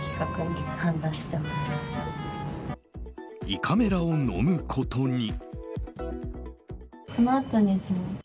胃カメラを飲むことに。